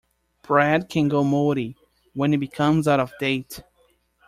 Bread can go moldy when it becomes out of date.